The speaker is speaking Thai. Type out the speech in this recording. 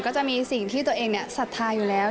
ก็จะมีสิ่งที่ตัวเองศรัทธาอยู่แล้ว